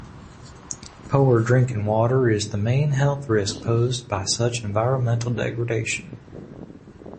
Poor drinking water is the main health risk posed by such environmental degradation.